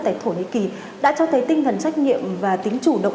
tại thổ nhĩ kỳ đã cho thấy tinh thần trách nhiệm và tính chủ động